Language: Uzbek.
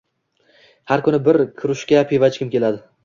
Har kuni bir krujka pivo ichgim keladi